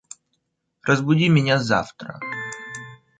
Разбуди меня завтра